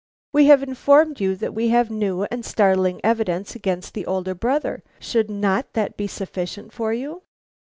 We have informed you that we have new and startling evidence against the older brother; should not that be sufficient for you?"